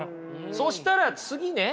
そしたら次ね